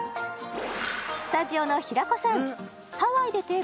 スタジオの平子さん